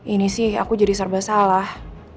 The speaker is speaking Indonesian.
ini sih aku jadi serba salah